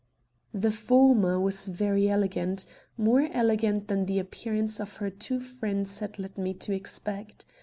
The former was very elegant, more elegant than the appearance of her two friends had led me to expect.